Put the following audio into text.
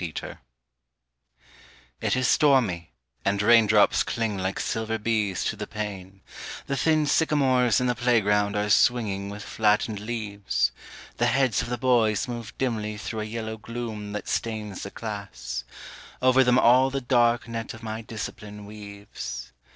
DISCIPLINE IT is stormy, and raindrops cling like silver bees to the pane, The thin sycamores in the playground are swinging with flattened leaves; The heads of the boys move dimly through a yellow gloom that stains The class; over them all the dark net of my discipline weaves.